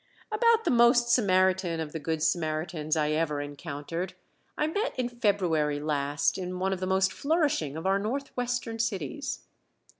About the most Samaritan of the Good Samaritans I ever encountered I met in February last in one of the most flourishing of our northwestern cities.